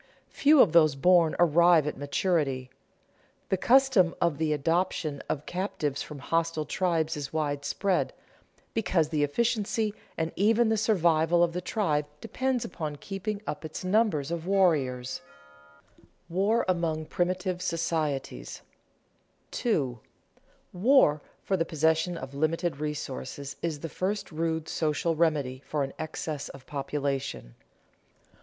Few of those born arrive at maturity. The custom of the adoption of captives from hostile tribes is widespread, because the efficiency and even the survival of the tribe depends upon keeping up its number of warriors. [Sidenote: War among primitive societies] 2. _War for the possession of limited resources is the first rude social remedy for an excess of population.